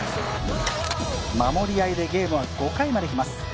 守り合いでゲームは５回まで来ます。